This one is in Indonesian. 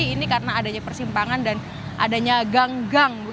ini karena adanya persimpangan dan adanya gang gang